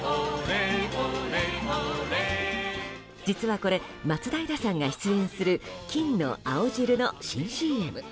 実はこれ、松平さんが出演する金の青汁の新ＣＭ。